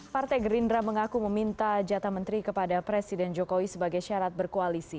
partai gerindra mengaku meminta jatah menteri kepada presiden jokowi sebagai syarat berkoalisi